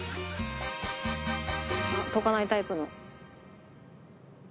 溶かないタイプの。